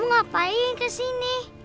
kamu ngapain kesini